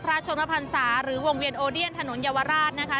ชมพันศาหรือวงเวียนโอเดียนถนนเยาวราชนะคะ